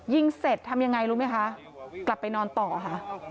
ยิงเสร็จทำยังไงรู้ไหมคะกลับไปนอนต่อค่ะ